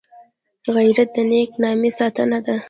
غیرت د نېک نامۍ ساتنه ده